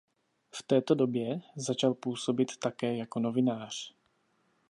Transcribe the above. V této době začal působit také jako novinář.